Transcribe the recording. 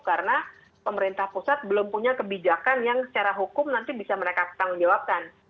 karena pemerintah pusat belum punya kebijakan yang secara hukum nanti bisa mereka tanggung jawabkan